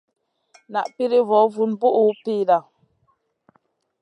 Na piri vo vun bùhʼu pida.